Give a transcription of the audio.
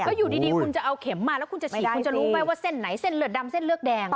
แล้วอยู่ดีคุณจะเอาเข็มมาแล้วคุณจะฉีดคุณจะรู้ไหมว่าเส้นไหนเส้นเลือดดำเส้นเลือดแดง